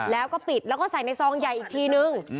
แล้วก็ปิดแล้วก็ใส่ในซองใหญ่อีกทีนึง